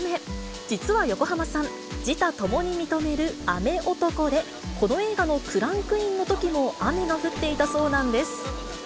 実は横浜さん、自他ともに認める雨男で、この映画のクランクインのときも雨が降っていたそうなんです。